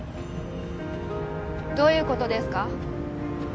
どういう事ですか？